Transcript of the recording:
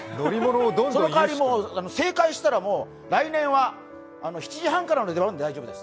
その代わり、正解したら来年は７時半からの出番で大丈夫です。